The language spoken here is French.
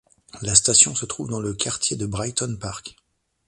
La station se trouve dans le quartier de Brighton Park.